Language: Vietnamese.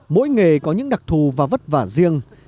mỗi nghề có những đặc thù và vất vả riêng